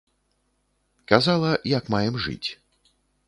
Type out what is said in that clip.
Казала, як маем жыць.